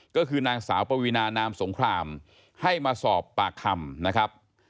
ก็คือนางสาวปวีนานามสงครามให้มาสอบปากคำนะครับ